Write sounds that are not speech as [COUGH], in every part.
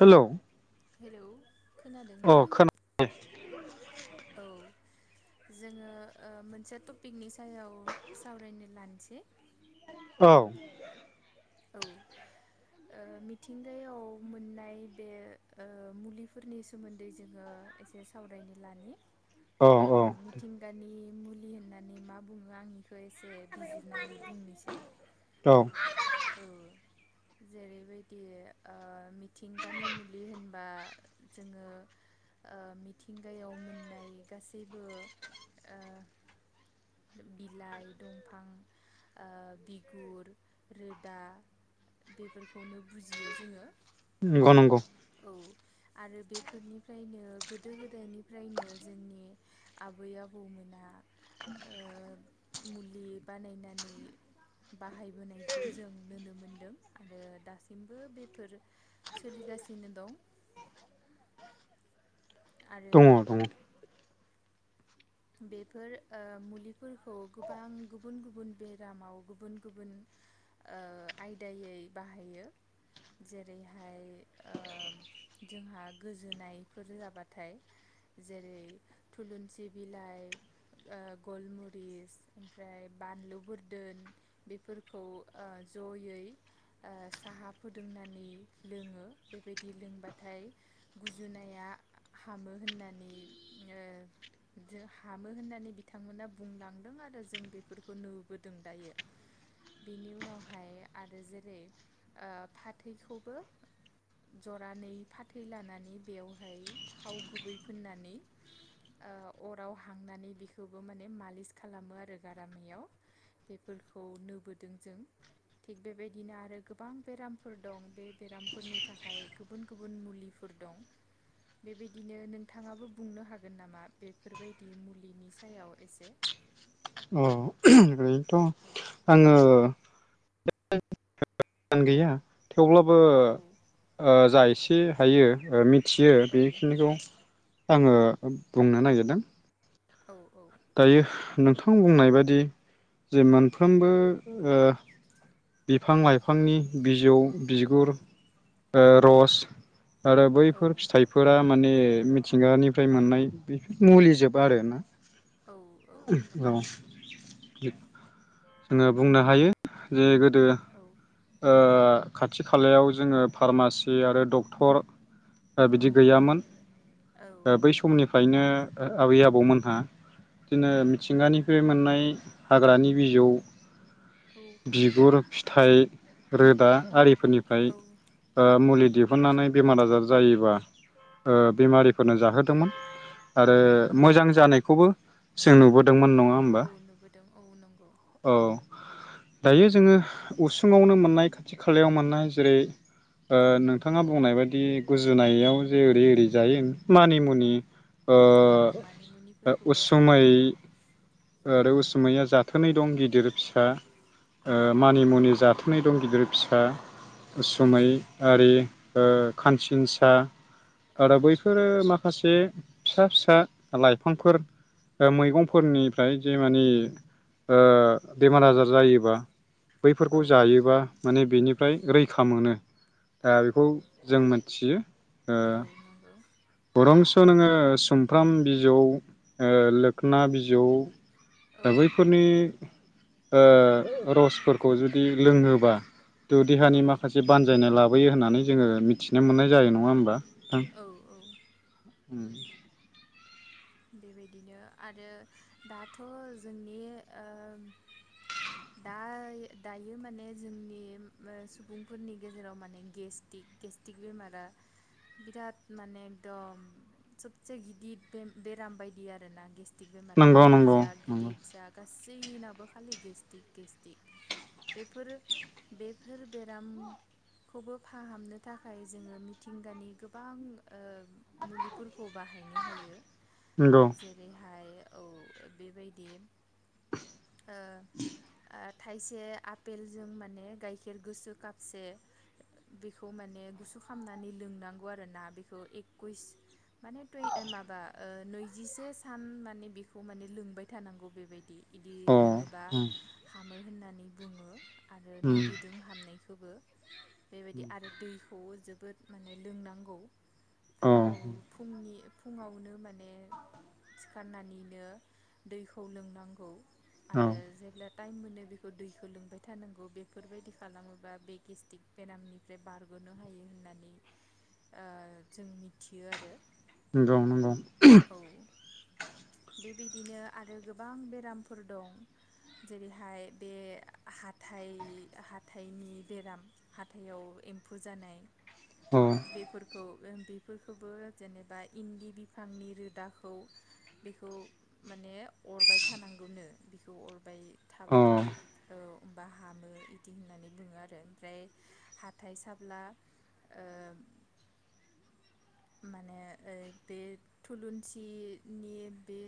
Hello hello खोनादों ना? अ खोनायो औ जोङो ओ मोनसे टपिकनि सा जायाव सावरायनो लानो जे औ औ ओ मिथिंगायाव मोननाय बे ओ मुलिफोरनि सोमोन्दै जोङो एसे सावरायनो लानि औ ओ औ मिथिंगानि मुलि होननानै मा बुङो आंनिखौ एसे बिजिरनानै बुंनोसै औ औ जेरैबायदि ओ मिथिंगानि मुलि होनबा जोङो ओ मिथिंगायाव मोननाय गासैबो ओ बिलाइ दंफां ओ बिगुर रोदा बेफोरखौनो बुजियो जोङो नंगौ नंगौ औ आरो बेफोरनिफ्रायनो गोदो गोदायनिफ्रायनो जोंनि आबै आबौमोना ओ मुलि बानायनानै बाहायबोनायखौ जों नोनो मोन दों आरो दासिमबो बेफोर सोलिगासिनो दं। आरो दङ दङ। बेफोर ओ मुलिफोरखौ गोबां गुबुन गुबुन बेरामाव गुबुन गुबुन ओ आयदायै बाहायो। बिलाइ ओ गलमुरिस ओमफ्राय बानलु बोरदोन बेफोरखौ ओ जयै ओ साहा फुदुंनानै लोङो बे बादि लों बाथाय गुजुनाया हामो होन्नानै ओ जों हामो होननानै बिथांमोना बुंलांदों आरो जों बेफोरखौ नुबोदों दायो। अराव हांनानै बेखौबो माने मालिस खालामो आरो गारामायाव बेफोरखौ नोबोदों जों थिग बे बादिनो आरो गोबां बेरामफोर दं। बे बेराम फोरनि थाखाय गोबोन गोबोन मुलिफोर दं। बि बादिनो नोंथाङा बो बुंनो हागोन नामा? बेफोरबायदि मुलिनि सायाव एसे अ' ओय थम औ आङो आं गैया। थौब्लाबो औ ओ जा एस बे हायो ओ मिन थियो औ बेखिनिखौ आङो बुंनो नागिरदों। औ औ दायो नोंथां बुंनाय बादि जे मोनफ्रोमबो ओ बिफां-लायफांनि बिजौ बिगुर ओ औ र'स आरो औ बैफोर फिथायफोरा माने ए मिथिंगानिफ्राय मोननाय बेफोर मुलि जोब आरो ना। औ औ नंगौ। जोङो बुंनो हायो जे गोद दो औ ओ ओ खाथि खालायाव जोङो फार्मासि आरो डक्टर ओ औ बिदि गैयामोन औ ओ बै नंगौ समनिफायनो ओ आबै आबौमोनहा बिदिनो औ मिथिंगानिफ्राय मोननाय इ हाग्रानि बिजौ औ बिगुर फिथाइ रोदा औ आरिफोरनिफ्राय औ ओ मुलि दिहुननानै बेमार आजार जायोबा ओ औ बेमारिफोरनो जाहोदोमोन। औ आरो नंगौ मोजां जानायखौबो जों बे नुबोदोंमोन नङा होमबा? औ नुबोदों औ नंगौ औ दायो जोङो उसुङावनो मोननाय खाथि खालायाव मोननाय जेरै औ नोंथाङा बुंनाय बायदि गुजुनायाव जे ओरै ओरै जायो मानि मुनि औ मानि मुनिफोरखौबो जायो औ उसुमै औ उसुमैया जाथोनै दं गिदिर गिदिर फिसा औ औ मानि मुनि नंगौ जाथोनै दं गिदिर फिसा औ उसुमै आरि ओ औ खानसिनसा औ आरो बैफोरो माखासे माखासे फिसा फिसा लाइफांफोर मैगंफोरनिफ्राय जे मानिे बेमार आजार जायोबा औ बैफोरखौ नंगौ जायोबा माने बेनि ओमफ्राय रैखा मोनो दा औ बेखौ औ जों मिथियो ओ औ नंगौ बरं नोङो सुमफ्राम बिजौ लोखोना बिजौ दा औ बैफोरनि ओ रसफोरखौ जुदि लोङोबा थ औ देहानि माखासे बानजायनाय लाबो लाबैयो होननानै जोङो मिथिनो मोननाय जायो नङा होमबा दां औ औ उम बेबायदिनो आरो दाथ' जोंनि ओ दा दायो माने जोंनि सुबुंफोरनि गेजेराव माने गेस्टिक गेस्ट्रिक बेमारा बिराद माने एकदम सबसे गिदिर बेराम बायदि आरोना गेस्ट बेमारा नंगौ उन्दै नंगौ जा नंगौ गिदिर जा गासै गासैनाबो खालि गेस गेस्टिक बेफोरो बेफोर बेरामखौबो फाहामनो थाखाय जोङो मिथिंगानि गोबां ओ मुलिफोरखौ बाहायनो हायो नंगौ जेरैहाय औ बेबायदि ओ [INAUDIBLE] ओ थाइसे आफपेलजों माने गाइखेर गोसो कापसे बेखौ माने गुसु खामनानै लोंनांगौ आरोना बेखौ एकुइस माने माबा नैजिसे सान माने बेखौ माने लोंबाय थानांगौ बेबायदि बिदि अ लोङोबा उम हामो होननानै बुङो आरो उम नुबोदों हामनायखौ खौबो बेबायदि आरो दैखौ जों जोबोद माने लोंनांगौ औ फुंङाव फुंनि फुंङावनो माने सिखारनानैनो दैखौ लोंनांगौ औ आरो जे टाइम मोनो बेखो दैखो लोंबाय थानांगो बेफोरबायदि खालामोबा बे गेस्टिक बेरामनिफ्राय बारगनो हायो होननानै ओ जों मिथियो आरो नोंगौ नोंगौ बिदिनो आरो गोबां बेरामफोर दं जेरैहाय बे हाथाइ हाथाइनि बेराम हाथाइाव एम्फौ जानाय अ बेफोरखौ ओम बेफोरखोबो जेनेबा इन्दि बिफांनि रोदाखौ बेखौ माने अरबाय थानांगौनो बेखौ अर बाय अ थाबाथाय औ बा हामो इदि होननानै बुंङो आरो ओमफ्राय हाथाइ साब्ला ओ माने ओ बे थुलुंसिनि बे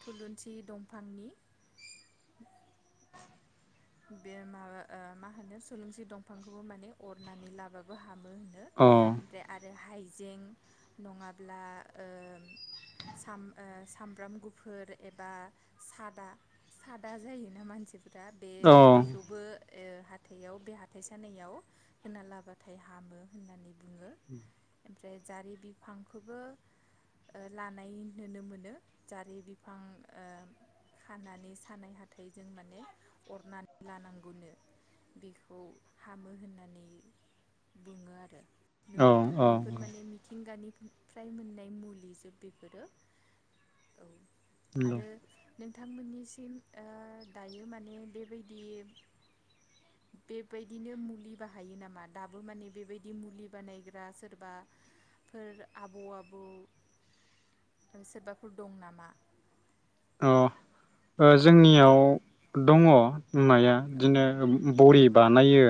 थुलुंसि दंफांनि बे मा ओ माहोनो सुलुंसि दंफांखौबो माने अरनानै लाबाबो हामो होनो अ ओमफ्राय आरो हाइजें नङाब्ला ओ साम ओ सामब्राम गुफुर एबा सादा सादा जायोना मानसिफोरा बे अ औ बिखौबो ओ हाथइाव बे हाथाय सानायाव होना लाबथाय हामो होननानै बुंङो ओमफ्राय जारि बिफांखोबो ओ लानाय नुनो मोनो जारि बिफां ओ खानानै सानाय हाथाइजों माने अरना लानांगौनो बेखौ हामो होननानै बुंङो आरो नुबोदों औ बेफोर माने मिथिंगानिफ्राय मोननाय मुलिजोब बेफोरो औ नंगौ आरो नोंथांमोननिसिम ओ दायो माने बेबाय दि बेबायदिनो मुलि बाहायो नामा दाबो माने बेबायदि मुलि बानायग्रा सोरबा फोर आबौ आबौ सोरबाफोर दं नामा? अ ओ औ जोंनियाव दंङ नाया औ बिदिनो बरि बानायो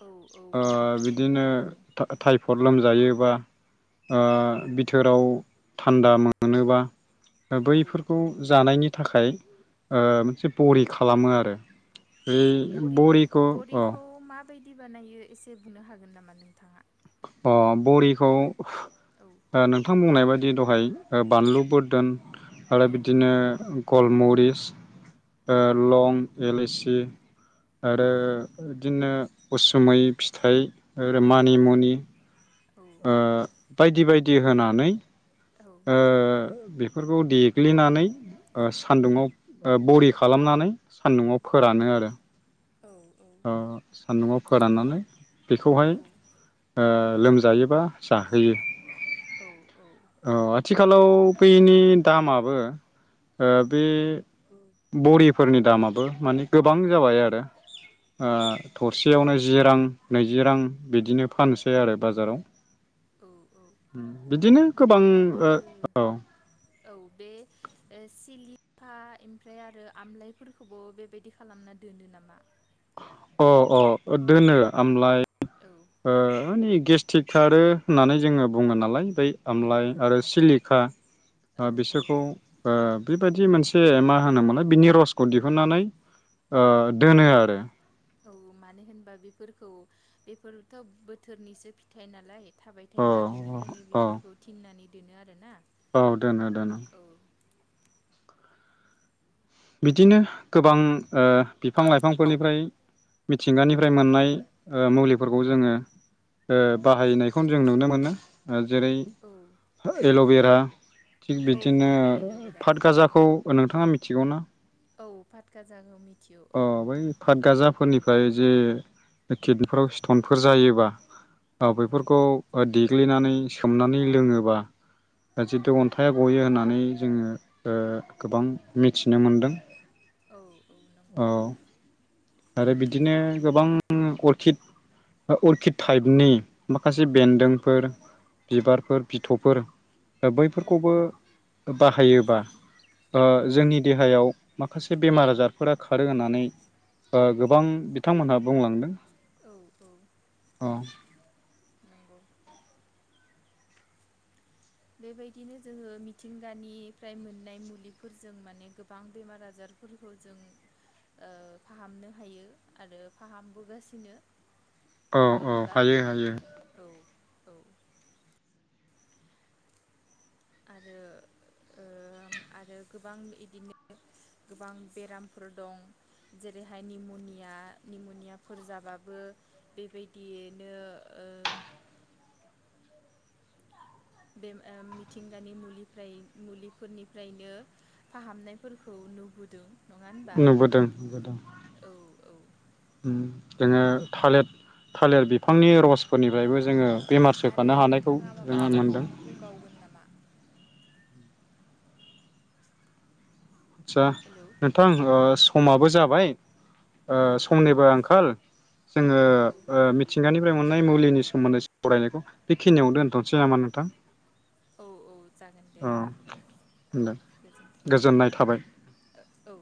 औ औ बरि बिदिनो बानायनायखौ था-थायफड लोमजायो बा ओ औ बिथोराव थान्दा मोनोबा दा औ बैफोरखौ औ जानायनि थाखाय ओ मोनसे बरि खालामो आरो बे औ बरि बरिखौ अ बरिखौ मा बैदि बानायो एसे बुनो हागोन नामा नोंथाङा। अ बरिखौ औ ओ नोंथां बुंनाय बादि बिदि दहाय बानलु बोर्दोन आरो औ बिदिनो गलमरिस ओ औ लं एलेसि [UNINTELLIGIBLE] आरो औ बिदिनो उसुमै फिथाइ मानि मुनि औ बायदि बायदि होनानै औ ओ बेफोरखौ देग्लिनानै ओ सान्दुङाव ओ बरि खालामनानै सान्दुङाव फोरानो आरो। औ औ ओ सान्दुनआव सान्दुंआव फोराननानै बेखौहाय औ ओ लोमजायोबा जाहोयो। औ औ थिखालाव बैनि दामाबो ओ बे बरिफोरनि दामाबो माने गोबां औ जाबाय आरो। ओ थरसेयावनो जि रां नैजि रां बिदिनो फानसै आरो बाजाराव। औ औ बिदिनो गोबां ओ औ। औ बे सिलिफा ओमफ्राय आरो आमलाइफोरखौबो बेबायदि खालामना दोनो नामा? अ अ दोनो आमलाय औ ओ माने गेस्टिक खारो होननानै जोङो बुङो नालाय। बै औ आमलाइ आरो सिलिखा औ औ बिसोरखौ ओ बेबायदि मोनसे मा होनोमोनलाय बिनि रसखौ दिहुननानै ओ औ दोनो आरो। औ मानो होनबा बेफोरखौ बेफोरथ बोथोरनिसो फिथाइ नालाय थाबाय अ थाया बिनिखायनो अ बेफोरखौ थिननानै दोनो आरो ना। औ दोनो दोनो। बिदिनो गोबां ओ बिफां लाइफांफोरनिफ्राय औ मिथिंगानिफ्राय मोननाय ओ मुलिफोरखौ जोङो ओ बाहायनायखौ जों नुनो मोनो। ओ जेरै औ हो एल'भेर दा थिग औ औ बिदिनो एल'बेरा पातगाजाखौ नोंथाङा मि थिगौना? औ फाथगाजा औ मिथियो औ फोरनिफ्राय जे किडनिफोराव स्टनफोर जायोबा ओ औ औ बैफोरखौ ओ देख ग्लिनानै सोमनानै लोङोबा ओ जिथु औ अन्थाया गयो होननानै जोङो ओ गोबां मिथिनो मोनदों। [INAUDIBLE] औ औ नंगौ‌। आरो बिदिनो गोबां अर्खिड ओ अर्खिड टाइपनि माखासे औ बेन्दोंफोर बिबारफोर बिथ'फोर ओ औ बैफोरखौबो ओ बाहायोबा ओ औ जोंनि देहायाव माखासे बेमार आजारफोरा खारो होननानै ओ गोबां बिथांमोनहा बुंलांदों। औ औ अ' नंगौ बेबायदिनो जोङो मिथिंगानिफ्राय मोननाय मुलिफोरजों माने गोबां बेमार आजारफोरखौ जों ओ फाहामनो हायो आरो फाहामबोगासिनो। औ नङा औ होनबा हायो हायो। औ औ आरो ओ आरो गोबां इदिनो गोबां बेरामफोर दं जेरैहाय निम'निया निम'नियाफोर जाबाबो बेबायदियैनो ओ बे ओ मिथिंगानि मुलिफ्राय मुलिफोरनिफ्रायनो फाहामनायफोरखौ नुबोदो। नुबोदों नुबोदों। औ औ उम जोङो थालेर थालेर बिफांनि रस औ फोरनिफ्रायबो जोङो बेमार आरो सोखानो हानायखौ नोंथाङा जोङो माबाफोर मोनदों। बुंबावगोन नामा? आदसा हेलौ नोंथां ओ स समाबो जाबाय। ओ औ औ समनिबो आंखाल जोङो औ ओ मिथिंगानि फ्राय मोननाय मुलिनि सोमोन्दै सरायनायखौ बेखिनियाव दोनथ'नोसै नामा नोंथां। औ औ जागोन दे औ होमबा औ दे गोजोनथों औ गोजोननाय थाबाय औ